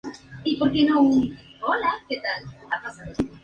Se extiende desde el estado Yaracuy hasta el estado Sucre.